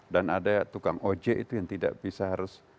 dan ada tukang oj itu yang tidak bisa harus